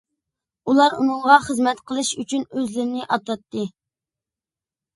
ئۇلار ئۇنىڭغا خىزمەت قىلىش ئۈچۈن ئۆزلىرىنى ئاتاتتى.